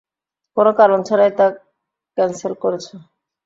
কোনো কারণ ছাড়াই তা ক্যানসেল করেছ।